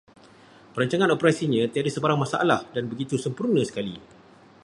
Perancangan operasinya tiada sebarang masalah dan begitu sempurna sekali